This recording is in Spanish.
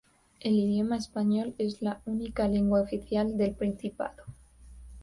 El idioma español es la única lengua oficial del Principado.